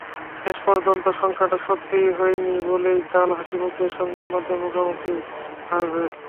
শেষ পর্যন্ত শঙ্কাটা সত্যি হয়নি বলেই কাল হাসিমুখে সংবাদমাধ্যমের মুখোমুখি ফারব্রেস।